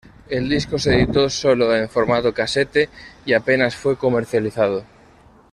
El disco se editó sólo en formato cassette y apenas fue comercializado.